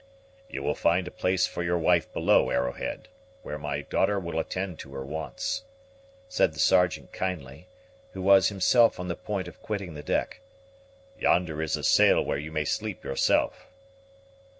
"You will find a place for your wife below, Arrowhead, where my daughter will attend to her wants," said the Sergeant kindly, who was himself on the point of quitting the deck; "yonder is a sail where you may sleep yourself."